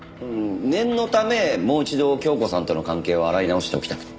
念のためもう一度京子さんとの関係を洗い直しておきたくて。